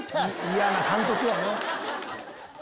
嫌な監督やな。